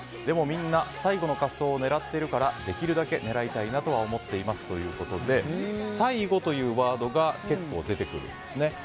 でも、みんな最後の滑走を狙っているからできるだけ狙いたいなとは思っていますということで最後というワードが結構、出てくるんですね。